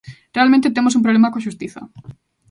Realmente temos un problema coa Xustiza.